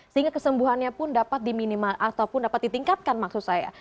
sehingga kesembuhannya pun dapat diminimal ataupun dapat ditingkatkan maksud saya